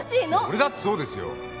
俺だってそうですよ。